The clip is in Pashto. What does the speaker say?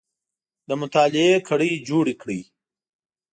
د مطالعې کړۍ جوړې کړئ